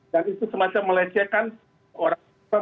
dan itu semacam melecehkan orang